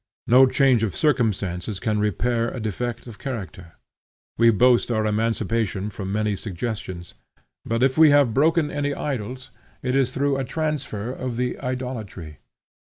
No change of circumstances can repair a defect of character. We boast our emancipation from many superstitions; but if we have broken any idols it is through a transfer of the idolatry.